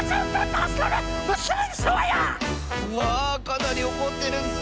うわあかなりおこってるッス。